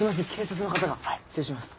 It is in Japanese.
失礼します。